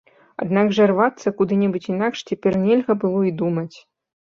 Аднак жа рвацца куды-небудзь інакш цяпер нельга было і думаць.